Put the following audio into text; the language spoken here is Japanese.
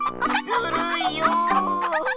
ずるいよ！